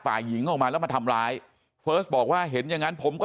ฝ่ายหญิงออกมาแล้วมาทำร้ายเฟิร์สบอกว่าเห็นอย่างงั้นผมก็